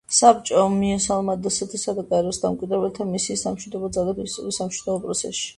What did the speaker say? საბჭომ მიესალმა დსთ-სა და გაეროს დამკვირვებელთა მისიის სამშვიდობო ძალების წვლილს სამშვიდობო პროცესში.